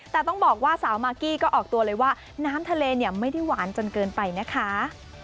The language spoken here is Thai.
แต่ต้องบอกว่าสาวมากกี้ก็ออกตัวเลยว่าน้ำทะเลเนี่ยไม่ได้หวานจนเกินไปนะคะ